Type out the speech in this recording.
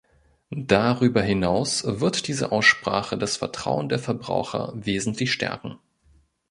Darüber hinaus wird diese Aussprache das Vertrauen der Verbraucher wesentlich stärken.